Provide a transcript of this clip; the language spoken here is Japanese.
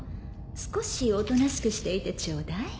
少しおとなしくしていてちょうだい。